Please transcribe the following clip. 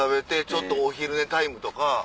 ちょっとお昼寝タイムとか。